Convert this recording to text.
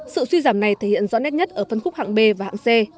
sự suy giảm này thể hiện rõ nét nhất ở phân khúc hạng b và hạng c